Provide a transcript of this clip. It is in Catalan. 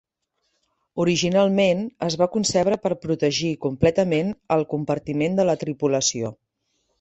Originalment, es va concebre per protegir completament el compartiment de la tripulació.